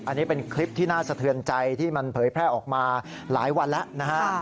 อันนี้เป็นคลิปที่น่าสะเทือนใจที่มันเผยแพร่ออกมาหลายวันแล้วนะฮะ